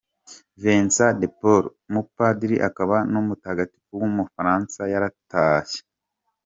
Vincent de Paul, umupadiri akaba n’umutagatifu w’umufaransa yaratashye.